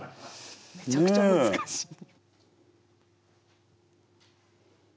めちゃくちゃむずかしい。